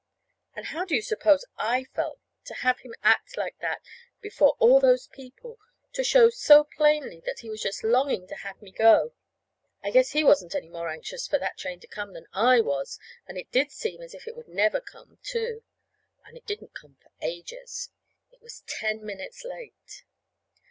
And how do you suppose I felt, to have him act like that before all those people to show so plainly that he was just longing to have me go? I guess he wasn't any more anxious for that train to come than I was. And it did seem as if it never would come, too. And it didn't come for ages. It was ten minutes late.